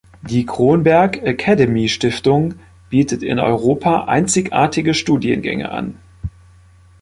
Die Kronberg Academy Stiftung bietet in Europa einzigartige Studiengänge an.